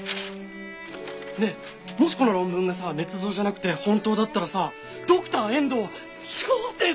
ねえもしこの論文がさ捏造じゃなくて本当だったらさドクター遠藤は超天才だね！